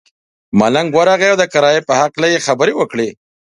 ملنګ ورغئ او د کرایې په هکله یې خبرې وکړې.